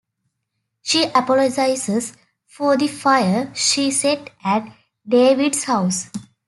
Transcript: She apologizes for the fire she set at David's house.